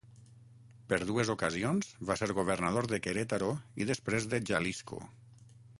Per dues ocasions va ser governador de Querétaro i després de Jalisco.